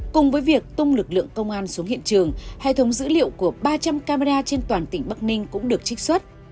cùng với việc tung lực lượng công an xuống hiện trường hệ thống dữ liệu của ba trăm linh camera trên toàn tỉnh bắc ninh cũng được trích xuất